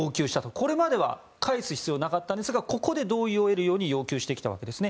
これまでは介する必要がなかったんですがここで同意を得るように要求してきたんですね。